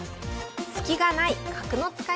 スキがない角の使い方にご注目